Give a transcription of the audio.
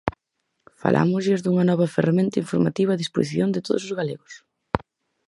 Falámoslles dunha nova ferramenta informativa a disposición de todos os galegos.